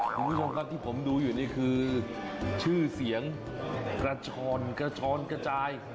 ทุกคนค่ะที่ผมดูอยู่นี่คือชื่อเสียงกระชอนกระจาย